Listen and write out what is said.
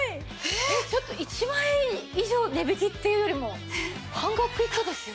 えっちょっと１万円以上値引きっていうよりも半額以下ですよね？